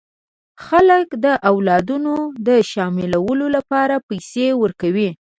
خلک د اولادونو د شاملولو لپاره پیسې ورکوي.